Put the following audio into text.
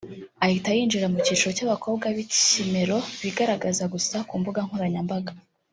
ahita yinjira mu cyiciro cy’abakobwa b’ikimero bigaragaza gusa ku mbuga nkoranyambaga